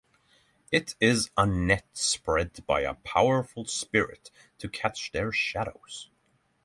It is a net spread by a powerful spirit to catch their shadows.